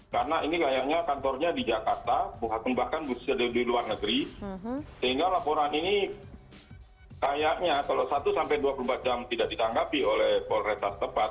karena ini kayaknya kantornya di jakarta bahkan di luar negeri sehingga laporan ini kayaknya kalau satu sampai dua puluh empat jam tidak ditanggapi oleh polres tepat